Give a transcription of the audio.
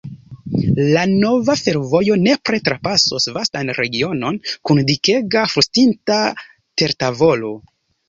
La nova fervojo nepre trapasos vastan regionon kun dikega frostinta tertavolo.